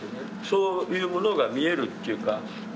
そういうものが見えるというか。